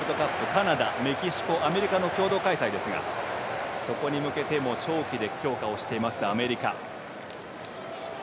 カナダ、メキシコ、アメリカの共同開催ですがそこに向けて長期で強化をしていますアメリカ。